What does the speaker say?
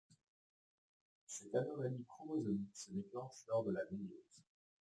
Cette anomalie chromosomique se déclenche lors de la méiose.